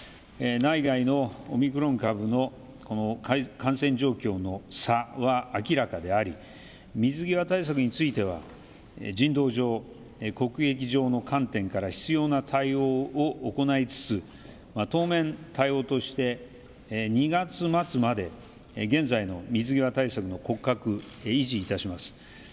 内外のオミクロン株の感染状況の差は明らかであり、水際対策については人道上、国益上の観点から必要な対応を行いつつ当面、対応として２月末まで現在の水際対策の骨格を維持いたします。